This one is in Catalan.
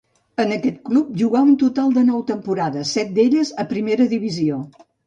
En aquest club jugà un total de nou temporades, set d'elles a primera divisió.